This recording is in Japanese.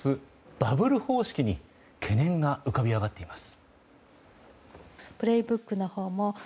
バブル方式に懸念が浮かび上がっています。